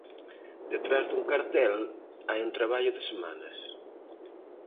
Detrás dun cartel hai un traballo de semanas.